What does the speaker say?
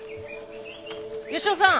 吉雄さん。